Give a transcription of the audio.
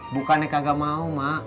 bukannya kagak mau mak